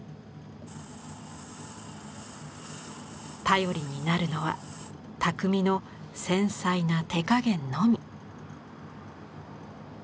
頼りになるのは匠の繊細な手加減のみ。